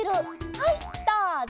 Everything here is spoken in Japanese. はいどうぞ！